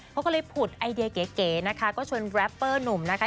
เขาก็เลยผุดไอเดียเก๋นะคะก็ชวนแรปเปอร์หนุ่มนะคะ